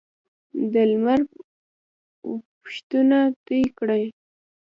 د لمر وپښوته توی کړي